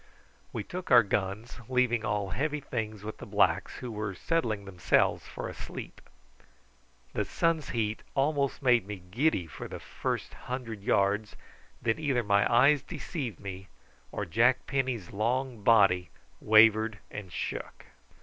We took our guns, leaving all heavy things with the blacks, who were settling themselves for a sleep. The sun's heat almost made me giddy for the first hundred yards, and either my eyes deceived me or Jack Penny's long body wavered and shook.